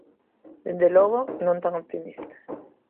Dende logo, non tan optimistas.